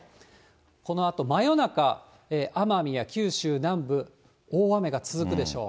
このあと、真夜中、奄美や九州南部、大雨が続くでしょう。